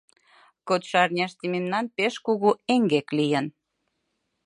— Кодшо арняште мемнан пеш кугу эҥгек лийын.